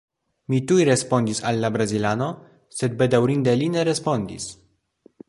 Mi tuj respondis al la brazilano, sed bedaŭrinde li ne respondis.